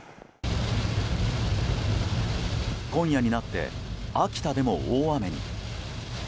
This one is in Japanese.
今夜になって、秋田でも大雨に。